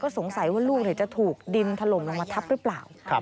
สงสัยว่าลูกจะถูกดินถล่มลงมาทับหรือเปล่า